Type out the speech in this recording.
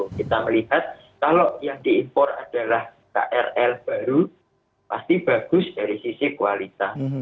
kita melihat kalau yang diimpor adalah krl baru pasti bagus dari sisi kualitas